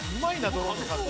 ドローンの撮影。